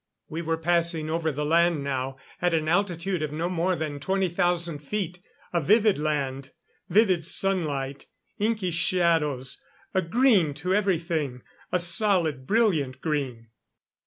We were passing over the land now, at an altitude of no more than twenty thousand feet. A vivid land. Vivid sunlight; inky shadows; a green to everything a solid, brilliant green.